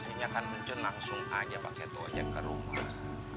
mustinya kan encon langsung aja pake tojak ke rumah